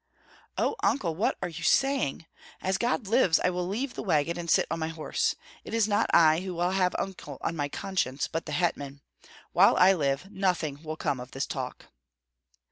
"Oh Uncle, what are you saying! As God lives, I will leave the wagon and sit on my horse. It is not I who will have uncle on my conscience, but the hetman. While I live, nothing will come of this talk."